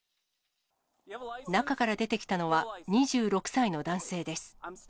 中から出てきたのは、２６歳の男性です。